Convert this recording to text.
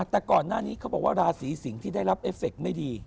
แต่ก่อนหน้านี้เขาบอกว่าราศีสิงศ์ที่ได้รับเอฟเฟคไม่ดี